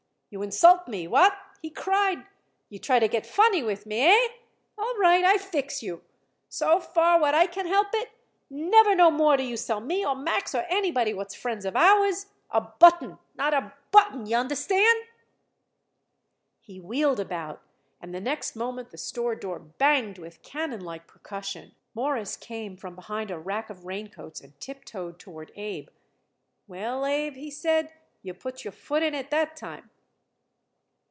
"You insult me. What?" he cried. "You try to get funny with me. Hey? All right. I fix you. So far what I can help it, never no more do you sell me or Max or anybody what is friends of ours a button. Not a button! Y'understand?" He wheeled about and the next moment the store door banged with cannon like percussion. Morris came from behind a rack of raincoats and tiptoed toward Abe. "Well, Abe," he said, "you put your foot in it that time."